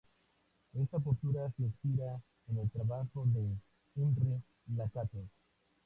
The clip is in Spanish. Esta postura se inspira en el trabajo de Imre Lakatos.